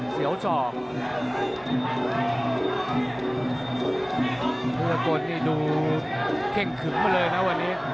เพชรสกนนี่ดูเข้งขึ๋มาเลยนะวันนี้